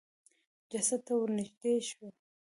جسد د ته ورنېږدې شو.